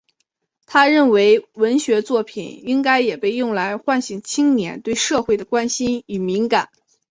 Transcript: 他认为文学作品应该也被用来唤醒青年对社会的关心与敏感。